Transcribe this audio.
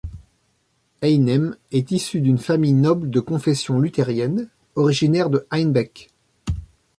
Einem est issu d'une famille noble de confession luthérienne, originaire de Einbeck.